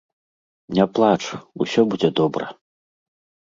Не плач, усё будзе добра!